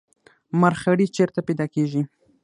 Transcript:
مرخیړي چیرته پیدا کیږي؟